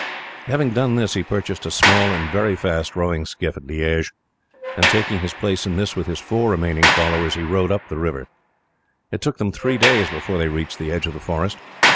Having done this, he purchased a small and very fast rowing skiff at Liege, and taking his place in this with his four remaining followers, he rowed up the river. It took them three days before they reached the edge of the forest.